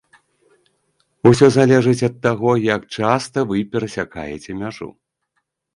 Усё залежыць ад таго, як часта вы перасякаеце мяжу.